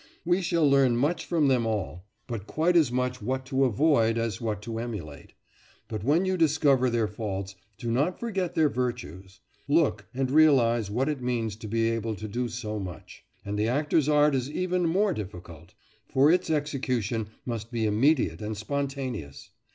We shall learn much from them all, but quite as much what to avoid as what to emulate. But when you discover their faults, do not forget their virtues. Look, and realise what it means to be able to do so much, And the actor's art is even more difficult! For its execution must be immediate and spontaneous.